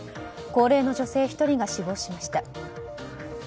高齢の女性１人が死亡しました。